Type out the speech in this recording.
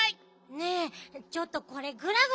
ねえちょっとこれグラグラしてるわよ。